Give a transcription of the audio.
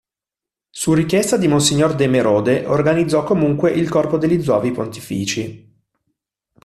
Su richiesta di monsignor de Mérode organizzò comunque il corpo degli Zuavi pontifici.